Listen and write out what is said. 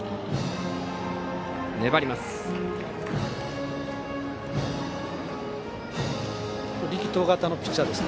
粘ります。